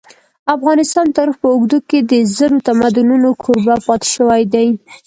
افغانستان د تاریخ په اوږدو کي د زرو تمدنونو کوربه پاته سوی دی.